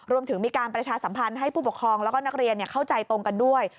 รวมถึงมีการประชาสัมพันธ์ให้ผู้ปกครองแล้วก็นักเรียนเข้าใจตรงกันด้วย